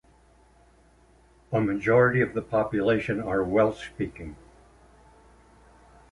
A majority of the population are Welsh-speaking.